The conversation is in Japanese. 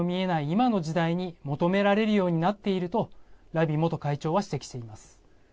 今の時代に求められるようになっているとラビ元会長は指摘しています。